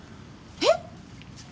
えっ？